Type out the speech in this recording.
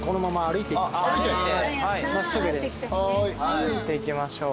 歩いていきましょう。